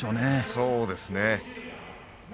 そうですね。